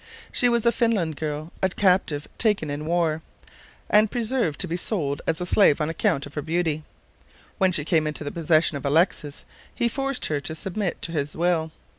She was a Finland girl, a captive taken in war, and preserved to be sold as a slave on account of her beauty. When she came into the possession of Alexis he forced her to submit to his will.